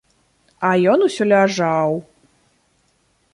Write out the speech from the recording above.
А ён усё ляжаў.